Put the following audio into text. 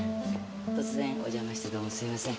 突然お邪魔してどうもすみません。